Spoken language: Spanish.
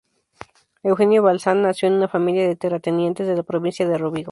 Eugenio Balzan nació en una familia de terratenientes de la provincia de Rovigo.